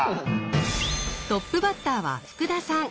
トップバッターは福田さん。